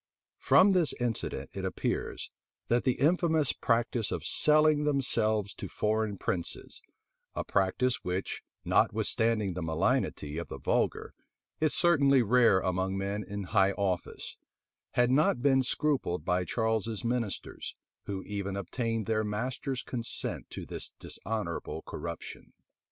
[*] From this incident it appears, that the infamous practice of selling themselves to foreign princes, a practice which, notwithstanding the malignity of the vulgar, is certainly rare among men in high office, had not been scrupled by Charles's ministers, who even obtained their master's consent to this dishonorable corruption.